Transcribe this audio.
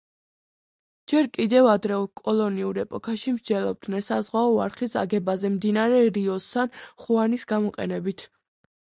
ჯერ კიდევ ადრეულ კოლონიურ ეპოქაში მსჯელობდნენ საზღვაო არხის აგებაზე მდინარე რიო სან ხუანის გამოყენებით.